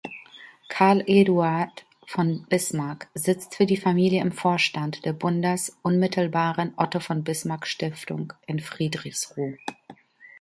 Carl-Eduard von Bismarck sitzt für die Familie im Vorstand der bundesunmittelbaren Otto-von-Bismarck-Stiftung in Friedrichsruh.